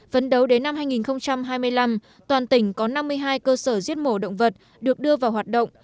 vấn đấu đến năm hai nghìn hai mươi năm toàn tỉnh có năm mươi hai cơ sở giết mổ động vật được đưa vào hoạt động